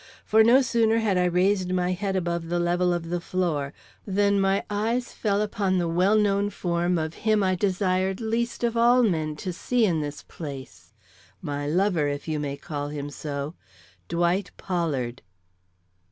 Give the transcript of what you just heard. For no sooner had I raised my head above the level of the floor than my eyes fell upon the well known form of him I desired least of all men to see in this place my lover, if you may call him so Dwight Pollard.